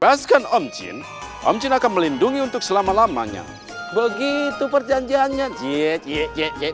pas kan om jin om jin akan melindungi untuk selama lamanya begitu perjanjiannya jie jie jie